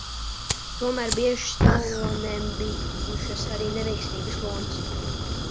Tomēr bieži Stallonem bijušas arī neveiksmīgas lomas.